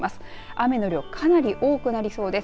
雨の量かなり多くなりそうです。